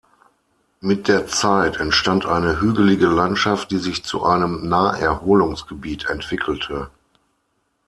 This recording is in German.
Mit der Zeit entstand eine hügelige Landschaft, die sich zu einem Naherholungsgebiet entwickelte.